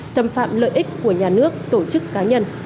xâm phạm lợi ích của nhà nước tổ chức cá nhân